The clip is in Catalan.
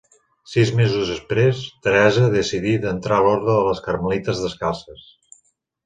Sis mesos després, Teresa decidí d'entrar a l'Orde de les Carmelites Descalces.